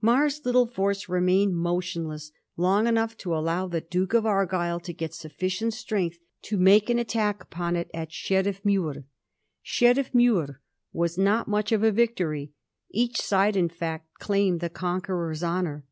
Mar's little force remained mo tionless long enough to allow the Duke of Argyll to get sufficient strength to make an attack upon it at Sheriffiffiuir. Sheriffinuir was not much of a victory. Each side, in fact, claimed the conqueror's honour.